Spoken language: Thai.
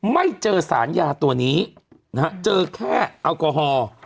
ไม่เจอสารยาตัวนี้นะฮะเจอแค่แอลกอฮอล์